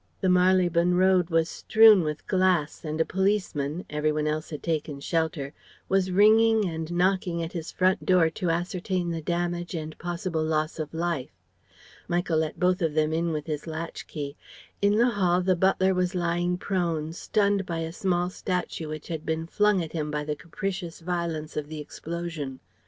The Marylebone Road was strewn with glass, and a policeman every one else had taken shelter was ringing and knocking at his front door to ascertain the damage and possible loss of life. Michael let both of them in with his latch key. In the hall the butler was lying prone, stunned by a small statue which had been flung at him by the capricious violence of the explosion.